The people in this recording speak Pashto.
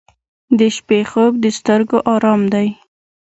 • د شپې خوب د سترګو آرام دی.